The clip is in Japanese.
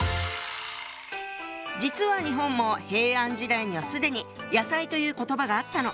実は日本も平安時代には既に「野菜」という言葉があったの。